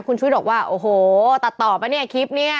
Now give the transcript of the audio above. คุณชุวิตบอกว่าโอ้โหตัดต่อป่ะเนี่ยคลิปนี้